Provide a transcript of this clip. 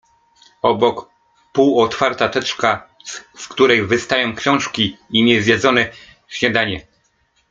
Obok półotwarta teczka, z której wy stają książki i nie zjedzone śniadanie.